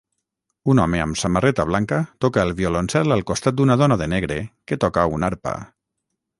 Un home amb samarreta blanca toca el violoncel al costat d'una dona de negre que toca una arpa